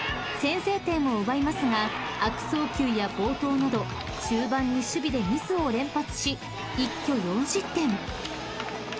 ［先制点を奪いますが悪送球や暴投など中盤に守備でミスを連発し一挙４失点］